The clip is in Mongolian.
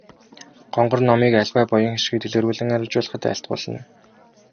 Гонгор номыг аливаа буян хишгийг дэлгэрүүлэн арвижуулахад айлтгуулна.